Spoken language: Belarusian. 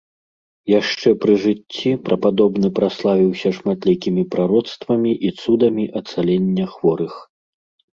Яшчэ пры жыцці прападобны праславіўся шматлікімі прароцтвамі і цудамі ацалення хворых.